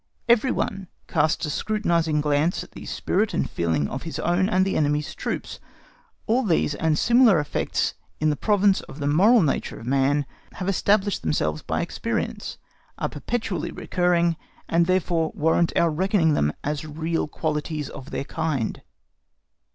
Every one casts a scrutinising glance at the spirit and feeling of his own and the enemy's troops. All these and similar effects in the province of the moral nature of man have established themselves by experience, are perpetually recurring, and therefore warrant our reckoning them as real quantities of their kind.